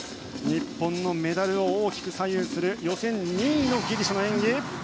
日本のメダルを大きく左右する予選２位のギリシャの演技。